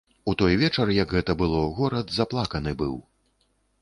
У той вечар, як гэта было, горад заплаканы быў.